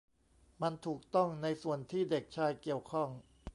มันถูกต้องในส่วนที่เด็กชายเกี่ยวข้อง